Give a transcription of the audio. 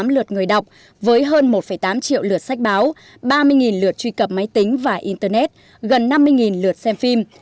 một trăm tám mươi năm một trăm bốn mươi tám lượt người đọc với hơn một tám triệu lượt sách báo ba mươi lượt truy cập máy tính và internet gần năm mươi lượt xem phim